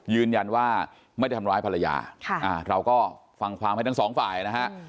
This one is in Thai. ยืนยันว่าไม่ได้ทำร้ายภรรยาเราก็ฟังความให้ทั้งสองฝ่ายนะฮะ